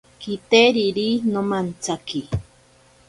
Kiteriri nomantsaki.